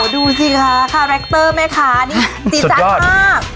อ๋อดูสิค่ะคาแรกเตอร์แม่คะนี่จี๊จ้านมาก